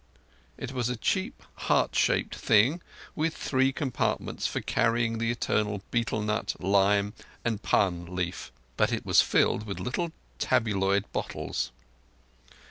It was a cheap, heart shaped brass thing with three compartments for carrying the eternal betel nut, lime and pan leaf; but it was filled with little tabloid bottles.